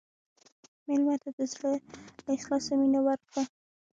مېلمه ته د زړه له اخلاصه مینه ورکړه.